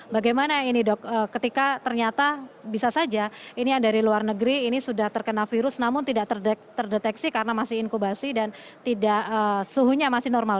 bagaimana ini dok ketika ternyata bisa saja ini yang dari luar negeri ini sudah terkena virus namun tidak terdeteksi karena masih inkubasi dan tidak suhunya masih normal